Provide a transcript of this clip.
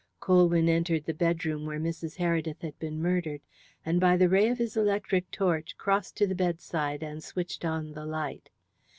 Colwyn entered the bedroom where Mrs. Heredith had been murdered, and by the ray of his electric torch crossed to the bedside and switched on the light.